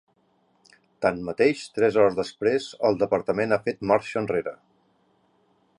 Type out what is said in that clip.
Tanmateix, tres hores després, el departament ha fet marxa enrere.